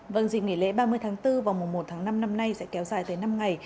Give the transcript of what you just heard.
vâng dịp nghỉ lễ ba mươi tháng bốn và mùa một tháng năm năm nay sẽ kéo dài tới năm ngày